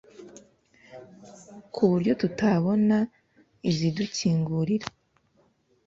ku buryo tutabona izidukingurira